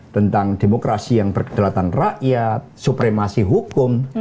tentang demokrasi yang berkedalatan rakyat supremasi hukum